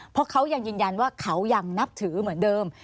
เพราะเขายังยืนยันว่าเขายังนับถือเหมือนเดิม